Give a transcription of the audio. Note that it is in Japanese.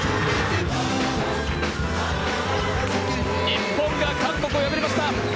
日本が韓国を破りました！